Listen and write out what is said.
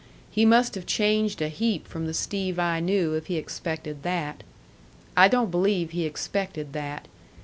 He must have changed a heap from the Steve I knew if he expected that. I don't believe he expected that.